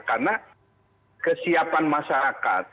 karena kesiapan masyarakat